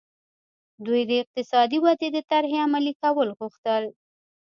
دوی د اقتصادي ودې د طرحې عملي کول غوښتل.